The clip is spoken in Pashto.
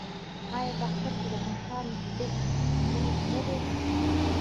آیا په اختر کې د مشرانو لیدل دود نه دی؟